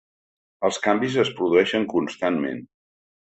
Els canvis es produeixen constantment.